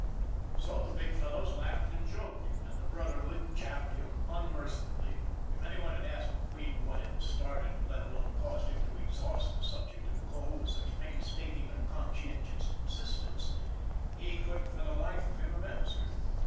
So the big fellows laughed and joked, and the Brotherhood chaffed him unmercifully. 276 ON THE IRON AT BIG CLOUD] If anyone had asked McQueen what had started, let alone caused him to exhaust the subject of coal with such painstaking and conscientious insistence, he couldn't for the life of him have answered.